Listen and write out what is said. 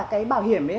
cái bảo hiểm ấy